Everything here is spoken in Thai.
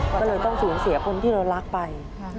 ก็เลยต้องสูญเสียคนที่เรารักไป